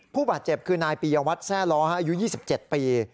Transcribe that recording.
ผู้บาดเจ็บคือนายปียวัตรแซ่ล้ออายุ๒๗ปี